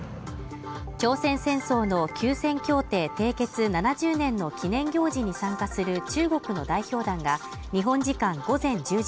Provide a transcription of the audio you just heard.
朝鮮戦争の休戦協定締結７０年の記念行事に参加する中国の代表団が日本時間午前１０時